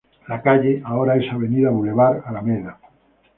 La calle ahora es avenida, bulevar, alameda.